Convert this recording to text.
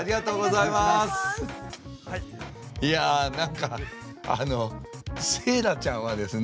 いや何かあのセーラちゃんはですね